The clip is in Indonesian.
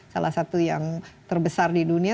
salah satu yang terbesar di dunia